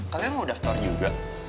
kalian mau daftar juga